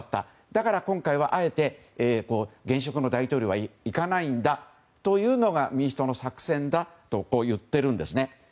だから今回はあえて現職の大統領が行かないんだというのが民主党の作戦だと言っているんですね。